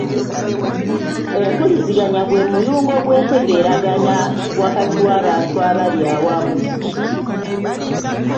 Empuliziganya gwe muyungo gw'entegeeragana wakati w'abantu abali awamu.